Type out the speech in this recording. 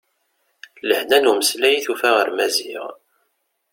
Lehna n umeslay i tufa ɣer Maziɣ.